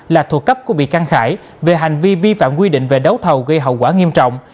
là thuộc cấp của bị can khải về hành vi vi phạm quy định về đấu thầu gây hậu quả nghiêm trọng